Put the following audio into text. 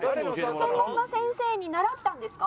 専門の先生に習ったんですか？